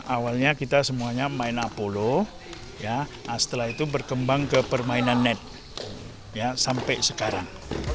awalnya kita semuanya main apolo setelah itu berkembang ke permainan net sampai sekarang